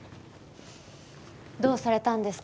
どうされたんですか？